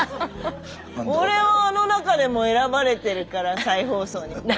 俺はあの中でも選ばれてるから再放送に。